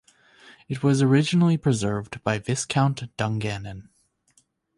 It was originally preserved by Viscount Dungannon.